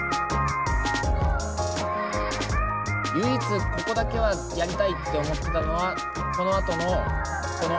唯一ここだけはやりたいって思ってたのはこのあとのこの。